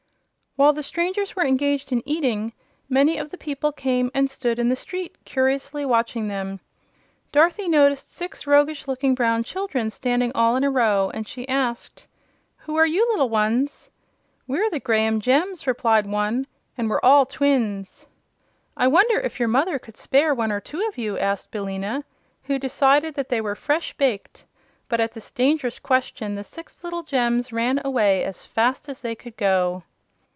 While the strangers were engaged in eating, many of the people came and stood in the street curiously watching them. Dorothy noticed six roguish looking brown children standing all in a row, and she asked: "Who are you, little ones?" "We're the Graham Gems," replied one; "and we're all twins." "I wonder if your mother could spare one or two of you?" asked Billina, who decided that they were fresh baked; but at this dangerous question the six little gems ran away as fast as they could go.